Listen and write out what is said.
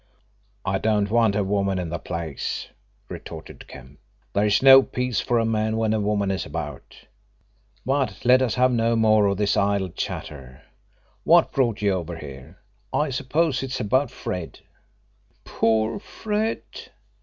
"I don't want any woman in the place," retorted Kemp. "There is no peace for a man when a woman is about. But let us have no more of this idle chatter. What's brought you over here? I suppose it's about Fred." "Poor Fred!"